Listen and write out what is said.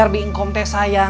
mungkin gue beli teh tempietnya